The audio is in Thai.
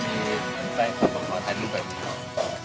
รู้สึกไงบ้างเวลามีแผ่งของคุณพองธรรมภาคอยู่แบบนี้